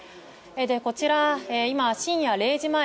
こちら、今深夜０時前。